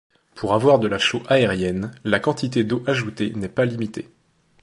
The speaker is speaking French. Pour avoir de la chaux aérienne, la quantité d'eau ajoutée n'est pas limitée.